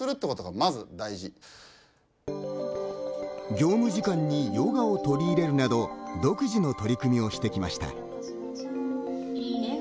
業務時間にヨガを取り入れるなど独自の取り組みをしてきました。